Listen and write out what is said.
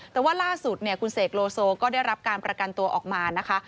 แต่ว่าล่าสุดเนี่ยคุณเสกโลโซก็ได้รับการประกันตัวออกมานะคะ